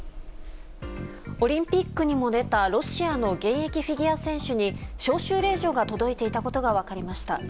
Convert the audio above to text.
オリンピックにも出たロシアの現役フィギュア選手に招集令状が届いていたことが分かりました。